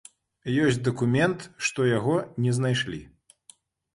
Ёсць дакумент, што яго не знайшлі.